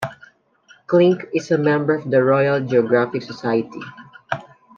Klink is a member of the Royal Geographic Society.